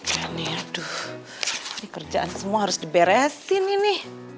waduh ini kerjaan semua harus diberesin ini